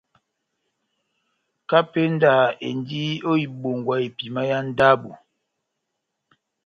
Kapenda endi ó ibongwa epima yá ndabo.